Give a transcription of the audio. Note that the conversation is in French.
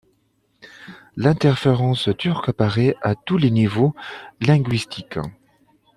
L’interférence turque apparait à tous les niveaux linguistiques.